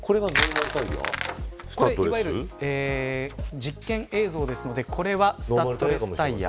実験映像ですのでこれはスタッドレスタイヤ。